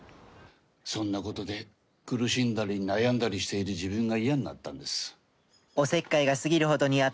そんな事で苦しんだり悩んだりしている自分が嫌になったんです。